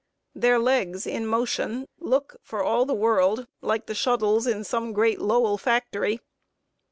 Their legs, in motion, look for all the world like the shuttles in some great Lowell factory.